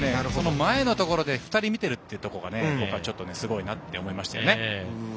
前のところで２人見てるってところが僕はすごいなと思いましたね。